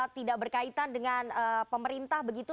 tidak berkaitan dengan pemerintah begitu